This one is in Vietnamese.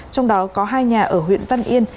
trong đó có hai nhà ở huyện văn yên